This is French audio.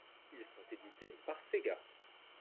Ils sont édités par Sega.